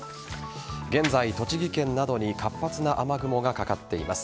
現在、栃木県などに活発な雨雲がかかっています。